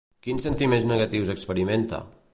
Quins sentiments negatius experimenta?